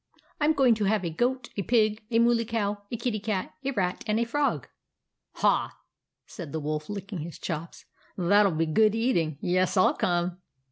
I 'm going to have a Goat, a Pig, a Mooly Cow, a Kitty Cat, a Rat, and a Frog." ," Ha !" said the Wolf, licking his chops. " That '11 be good eating. Yes, I '11 come."